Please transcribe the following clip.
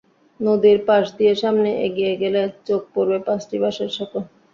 নদীর পাশ দিয়ে সামনে এগিয়ে গেলে চোখে পড়বে পাঁচটি বাঁশের সাঁকো।